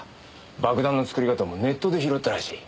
爆弾の作り方もネットで拾ったらしい。